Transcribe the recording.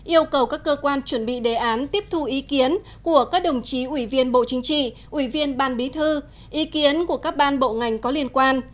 yêu cầu các cơ quan chuẩn bị đề án tiếp thu ý kiến của các đồng chí ủy viên bộ chính trị ủy viên ban bí thư ý kiến của các ban bộ ngành có liên quan